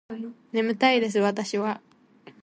眠たいです私は